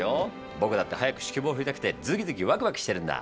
僕だって早く指揮棒振りたくてズキズキワクワクしてるんだ。